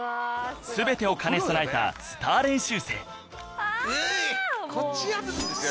全てを兼ね備えたスター練習生